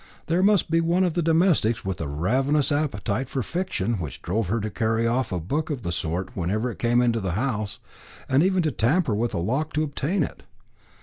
There must be one of the domestics with a ravenous appetite for fiction, which drove her to carry off a book of the sort whenever it came into the house, and even to tamper with a lock to obtain it.